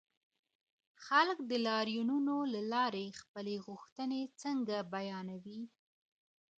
خلګ د لاريونونو له لاري خپلي غوښتنې څنګه بيانوي؟